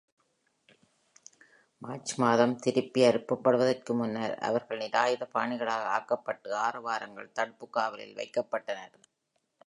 March மாதம் திருப்பி அனுப்பப்படுவதற்கு முன்னர் அவர்கள் நிராயுதபாணிகளாக ஆக்கப்பட்டு ஆறு வாரங்கள் தடுப்புக் காவலில் வைக்கப்பட்டனர்.